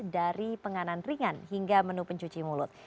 dari penganan ringan hingga menu pencuci mulut